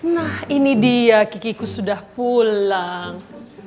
nah ini dia kikiku sudah pulang